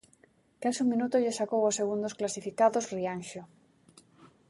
Case un minuto lle sacou aos segundos clasificados, Rianxo.